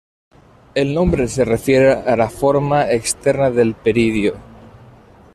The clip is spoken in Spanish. El nombre se refiere a la forma externa del peridio.